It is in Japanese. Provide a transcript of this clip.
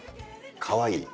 かわいい。